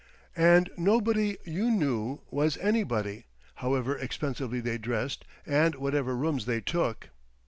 And nobody, you knew, was anybody, however expensively they dressed and whatever rooms they took.